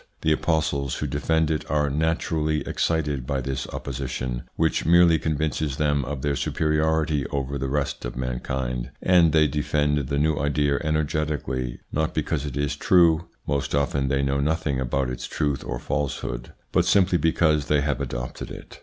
The apostles who defend it are naturally excited by this opposition, which merely convinces them of their superiority over the rest of mankind, and they defend the new idea energetically, not because it is true most often they know nothing about its truth or falsehood but simply because they have adopted it.